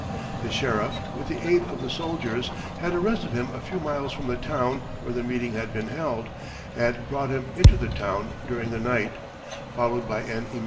The sheriff with the aid of the soldiers had arrested him a few miles from the town where the meeting had been held, and brought him into the town during the night, followed by an immense throng of people.